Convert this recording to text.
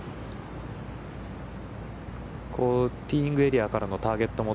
ティーイングエリアからのターゲットも